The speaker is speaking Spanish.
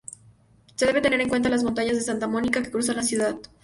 Se debe tener en cuenta las Montañas de Santa Mónica que cruzan la ciudad.